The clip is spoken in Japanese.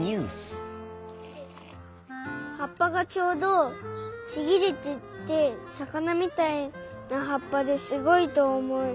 はっぱがちょうどちぎれててさかなみたいなはっぱですごいとおもいました。